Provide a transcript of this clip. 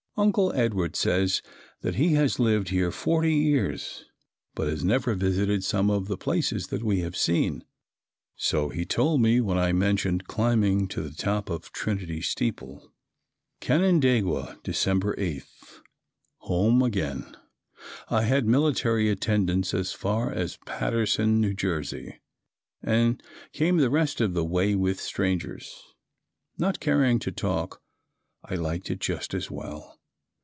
Uncle Edward says that he has lived here forty years but has never visited some of the places that we have seen, so he told me when I mentioned climbing to the top of Trinity steeple. Canandaigua, December 8. Home again. I had military attendance as far as Paterson, N. J., and came the rest of the way with strangers. Not caring to talk I liked it just as well.